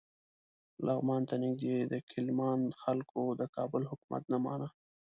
لغمان ته نږدې د کیلمان خلکو د کابل حکومت نه مانه.